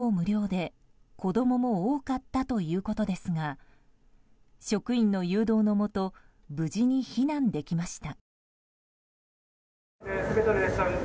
こどもの日の今日中学生以下は入場無料で子供も多かったということですが職員の誘導のもと無事に避難できました。